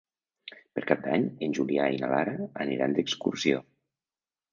Per Cap d'Any en Julià i na Lara aniran d'excursió.